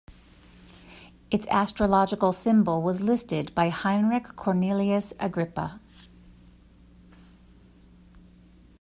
Its astrological symbol was listed by Heinrich Cornelius Agrippa.